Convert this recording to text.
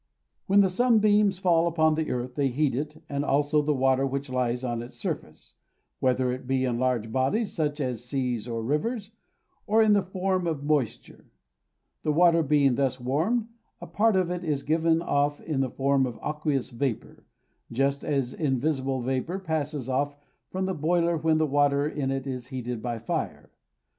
When the sunbeams fall upon the earth, they heat it, and also the water which lies on its surface, whether it be in large bodies, such as seas or rivers, or in the form of moisture. The water being thus warmed, a part of it is given off in the form of aqueous vapour, just as invisible vapour passes off from a boiler when the water in it is heated by fire.